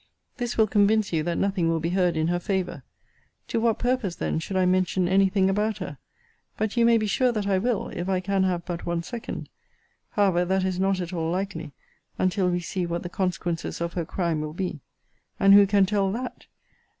This will convince you that nothing will be heard in her favour. To what purpose then should I mention any thing about her? But you may be sure that I will, if I can have but one second. However, that is not at all likely, until we see what the consequences of her crime will be: And who can tell that?